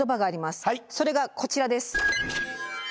それがこちらです。